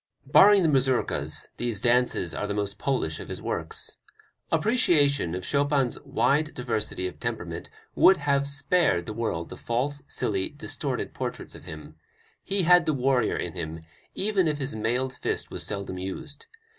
Barring the mazurkas, these dances are the most Polish of his works. Appreciation of Chopin's wide diversity of temperament would have sparedthe world the false, silly, distorted portraits of him. He had the warrior in him, even if his mailed fist was seldom used.